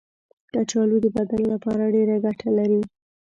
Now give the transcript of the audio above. کچالو د بدن لپاره ډېره ګټه لري.